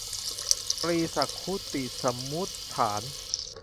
ตรีสุคติสมุฏฐาน